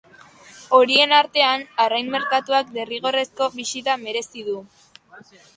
Horien artean, arrain merkatuak derrigorrezko bisita merezi du.